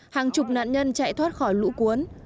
hàng chục nạn nhân chạy thoát khỏi lũ cuốn